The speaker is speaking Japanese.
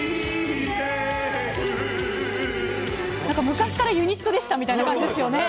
昔からユニットでしたみたいな感じですよね。